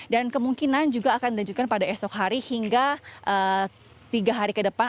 dan kemungkinan juga akan dilanjutkan pada esok hari hingga tiga hari ke depan